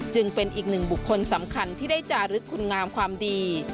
เป็นอีกหนึ่งบุคคลสำคัญที่ได้จารึกคุณงามความดี